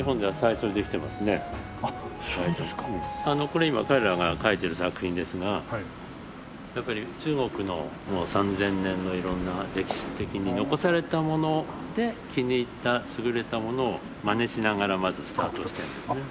これ今彼らが書いている作品ですがやっぱり中国の３０００年の色んな歴史的に残されたもので気に入った優れたものをマネしながらまずスタートしてるんですよね。